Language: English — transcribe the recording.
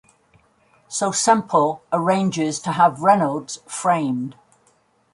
So Semple arranges to have Reynolds framed.